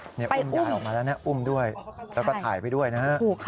อุ้มยายออกมาแล้วนะอุ้มด้วยแล้วก็ถ่ายไปด้วยนะฮะ